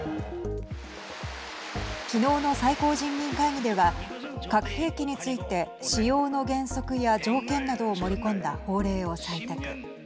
昨日の最高人民会議では核兵器について使用の原則や条件などを盛り込んだ法令を採択。